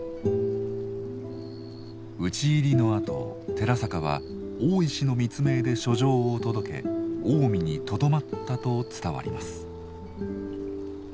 討ち入りのあと寺坂は大石の密命で書状を届け近江にとどまったと伝わります。